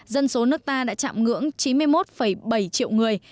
dân số nước ta đã chạm ngưỡng chín mươi một bảy triệu người